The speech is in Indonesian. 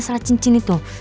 masalah cincin itu